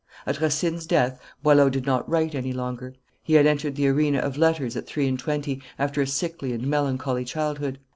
At Racine's death Boileau did not write any longer. He had entered the arena of letters at three and twenty, after a sickly and melancholy childhood.